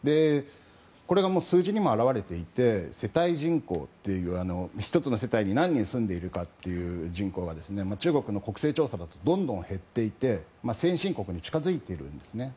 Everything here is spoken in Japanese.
これが数字にも表れていて世帯人口という１つの世帯に何人住んでいるかという人口が中国の国勢調査だとどんどん減っていて先進国に近づいているんですね。